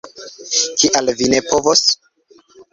Kial vi ne povos?